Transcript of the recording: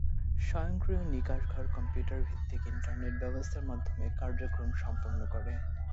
স্বয়ংক্রিয় নিকাশ ঘর কম্পিউটার ভিত্তিক ইন্টারনেট ব্যবস্থার মাধ্যমে কার্যক্রম সম্পূর্ণ করে।